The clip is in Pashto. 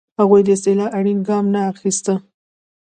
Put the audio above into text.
هغوی د اصلاح اړین ګام نه اخیسته.